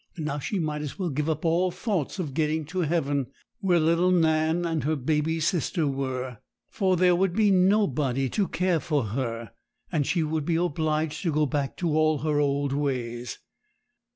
And now she might as well give up all thoughts of getting to heaven, where little Nan and her baby sister were; for there would be nobody to care for her, and she would be obliged to go back to all her old ways.